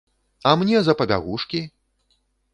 А мне за пабягушкі?